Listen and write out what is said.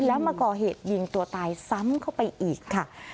แล้วมาก่อเหตุยิงตัวตายซ้ำเข้าไปอีกค่ะ